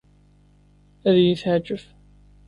Ad iyi-teɛjeb.